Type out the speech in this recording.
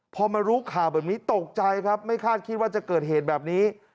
พอมารู้ข่าวแบบนี้ตกใจครับไม่คาดคิดว่าจะเกิดเหตุแบบนี้